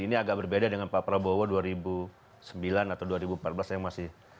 ini agak berbeda dengan pak prabowo dua ribu sembilan atau dua ribu empat belas yang masih